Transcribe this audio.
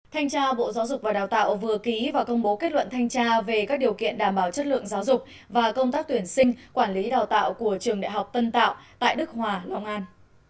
thanh tra bộ giáo dục và đào tạo vừa ký và công bố kết luận thanh tra về các điều kiện đảm bảo chất lượng giáo dục và công tác tuyển sinh quản lý đào tạo của trường đại học tân tạo tại đức hòa long an